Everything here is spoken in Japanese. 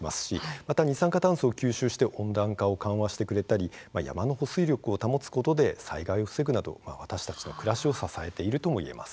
また二酸化炭素を吸収して温暖化を緩和してくれたり山の保水力を保って災害を防いでくれたりなどわれわれの暮らしを支えてくれています。